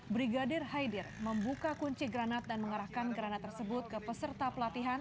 brigadir haidir membuka kunci granat dan mengarahkan granat tersebut ke peserta pelatihan